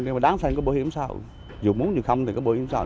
nhưng mà đáng xem có bảo hiểm sao dù muốn dù không thì có bảo hiểm sao